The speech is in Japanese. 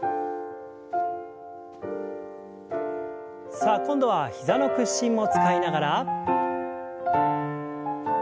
さあ今度は膝の屈伸も使いながら。